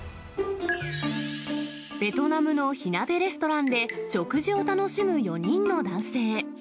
ベトナムの火鍋レストランで、食事を楽しむ４人の男性。